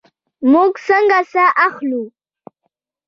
موږ څنګه ساه اخلو؟